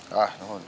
hah nunggu nih